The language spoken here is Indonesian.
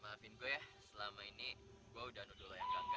maafin gue ya selama ini gue udah nudul lo yang gangga